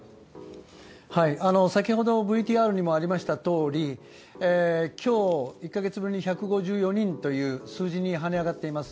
先ほどＶＴＲにもありましたとおり今日、１か月ぶりに１５４人という数字にはね上がっています。